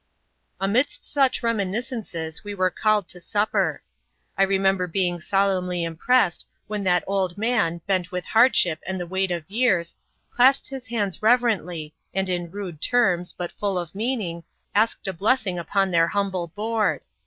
Amidst such reminiscences we were called to supper. I remember being solemnly impressed when that old man, bent with hardship and the weight of years, clasped his hands reverently, and in rude terms, but full of meaning, asked a blessing upon their humble board.